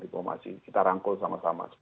diplomasi kita rangkul sama sama